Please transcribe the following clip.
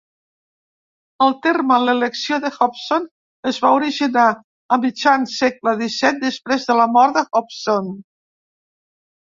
El terme "l'elecció de Hobson" es va originar a mitjan segle XVII, després de la mort de Hobson.